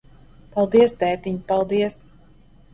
Paldies, tētiņ, paldies.